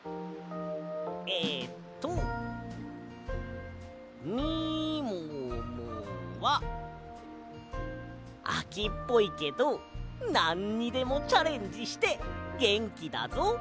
えっと「みももはあきっぽいけどなんにでもチャレンジしてげんきだぞ。